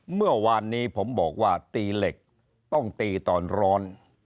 เมื่อวานนี้ผมบอกว่าตีเหล็กต้องตีตอนร้อน